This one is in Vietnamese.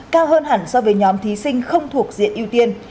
cao hơn hẳn so với nhóm thí sinh không thuộc diện ưu tiên